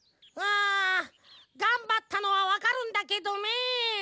うんがんばったのはわかるんだけどメェ。